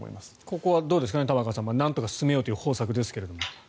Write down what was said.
ここはどうでしょう、玉川さんなんとか進めましょうという方策ですが。